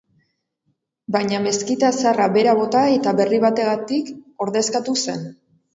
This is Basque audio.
Baina meskita zaharra behera bota eta berri bategatik ordezkatu zen.